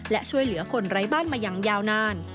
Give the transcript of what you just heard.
และช่วยเหลือคนไร้บ้านมาอย่างยาวนาน